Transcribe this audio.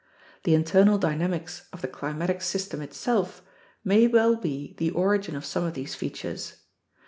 The internal dynamics of the climatic system itself may well be the origin of some of these features.